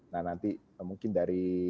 nah nanti mungkin dari